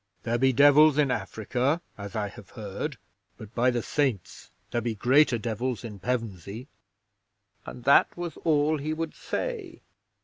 There be devils in Africa, as I have heard, but by the Saints, there be greater devils in Pevensey!" And that was all he would say.